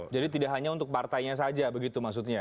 jadi tidak hanya untuk partainya saja begitu maksudnya